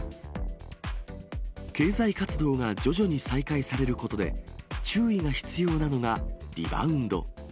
経済活動が徐々に再開されることで注意が必要なのがリバウンド。